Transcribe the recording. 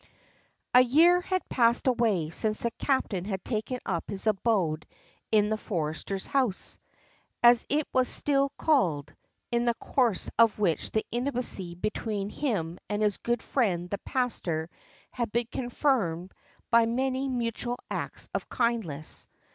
A year had passed away since the captain had taken up his abode in the "Forester's House," as it was still called, in the course of which the intimacy between him and his good friend the pastor had been confirmed by many mutual acts of kindness.